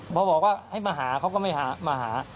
พอบอกว่าให้มาหาเขาก็ไม่มาหา